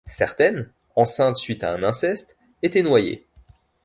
Certaines, enceintes suite à un inceste, étaient noyées…